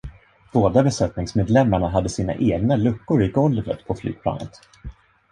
Båda besättningsmedlemmarna hade sina egna luckor i golvet på flygplanet.